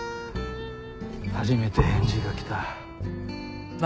初めて返事が来た。